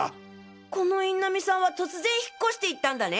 この印南さんは突然引っ越していったんだね？